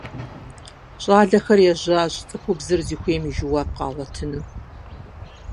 ЩӀалэхэр ежьащ цӀыхубзыр зыхуейм и жэуап къагъуэтыну.